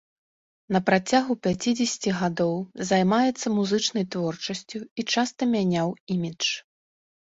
На працягу пяцідзесяці гадоў займаецца музычнай творчасцю і часта мяняў імідж.